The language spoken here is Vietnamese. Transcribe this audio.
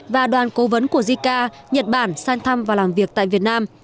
và đoàn cố vấn của jica nhật bản sang thăm và làm việc tại việt nam